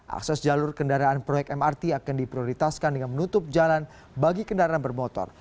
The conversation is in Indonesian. akses jalur kendaraan proyek mrt akan diprioritaskan dengan menutup jalan bagi kendaraan bermotor